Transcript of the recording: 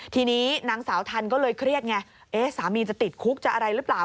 ทีนี้นางสาวทันก็เลยเครียดไงสามีจะติดคุกจะอะไรหรือเปล่า